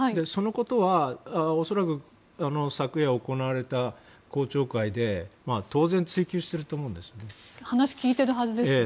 そのことは恐らく昨夜行われた公聴会で当然、追及したと思うんです。